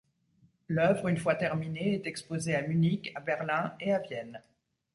L'œuvre une fois terminée est exposée à Munich, à Berlin et à Vienne.